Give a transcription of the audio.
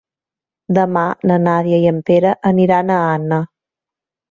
Demà na Nàdia i en Pere aniran a Anna.